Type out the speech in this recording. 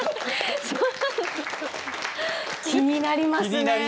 気になりますね。